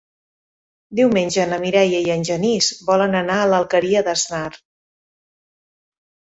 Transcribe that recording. Diumenge na Mireia i en Genís volen anar a l'Alqueria d'Asnar.